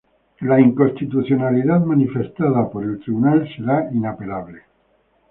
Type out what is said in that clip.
La inconstitucionalidad manifestada por el Tribunal será inapelable.